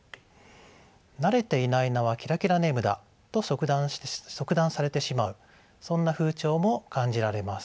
慣れていない名はキラキラネームだと即断されてしまうそんな風潮も感じられます。